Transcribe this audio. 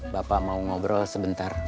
bapak mau ngobrol sebentar